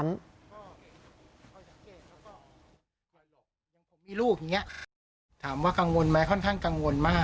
อย่างผมมีลูกอย่างเงี้ยถามว่ากังวลไหมค่อนข้างกังวลมาก